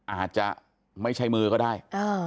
อาจจะไม่ใช่มือก็ได้